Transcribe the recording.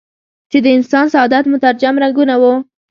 چې د انسان سعادت مترجم رنګونه وو.